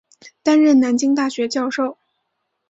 担任南京大学教授。